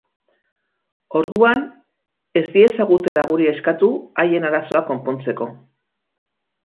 Orduan, ez diezagutela guri eskatu haien arazoak konpontzeko.